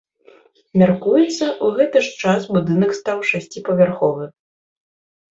Мяркуецца, у гэты ж час будынак стаў шасціпавярховы.